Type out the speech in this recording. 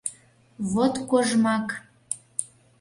Вот кожмак!